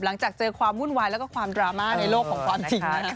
หลังจากเจอความวุ่นวายแล้วก็ความดราม่าในโลกของความจริงนะฮะ